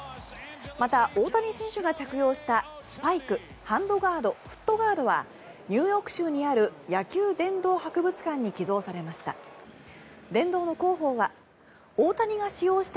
また、大谷選手が着用したスパイク、ハンドガードフットガードはニューヨーク州にある野球殿堂博物館に寄贈されました。